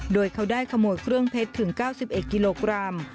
โดยเขาได้ขโมยเครื่องเพชรถึง๙๑กิโลกรัม